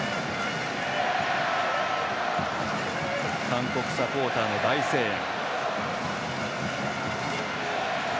韓国サポーターの大声援。